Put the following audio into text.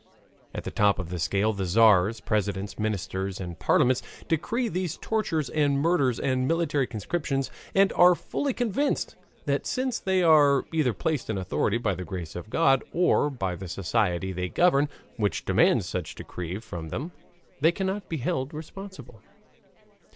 At the top of the scale the Tzars, presidents, ministers, and parliaments decree these tortures and murders and military conscription, and are fully convinced that since they are either placed in authority by the grace of God or by the society they govern, which demands such decrees from them, they cannot be held responsible.